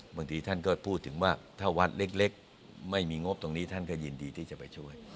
บางทีท่านก็พูดถึงว่าถ้าวัดเล็กไม่มีงบตรงนี้ท่านก็ยินดีที่จะไปช่วย